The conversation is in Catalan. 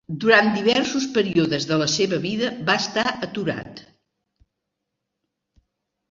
Durant diversos períodes de la seva vida va estar aturat.